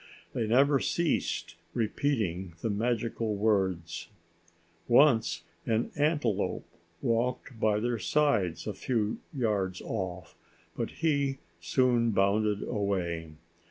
They never ceased repeating the magical words. Once an antelope walked by their sides a few yards off, but he soon bounded away.